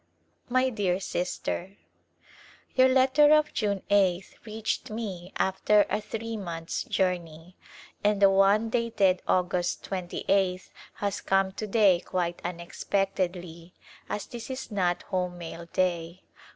My dear Sister : Your letter of June 8th reached me after a three months' journey and the one dated August 28th has come to day quite unexpectedly as this is not home mail day.